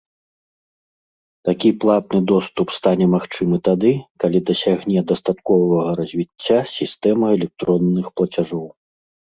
Такі платны доступ стане магчымы тады, калі дасягне дастатковага развіцця сістэма электронных плацяжоў.